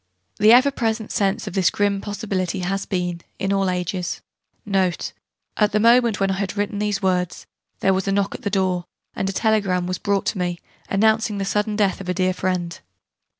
The ever present sense of this grim possibility has been, in all ages,* Note... At the moment, when I had written these words, there was a knock at the door, and a telegram was brought me, announcing the sudden death of a dear friend.